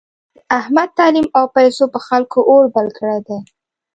د احمد تعلیم او پیسو په خلکو اور بل کړی دی.